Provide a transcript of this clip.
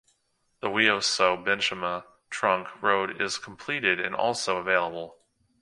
The Wiawso-Benchema Trunk Road is completed and also available.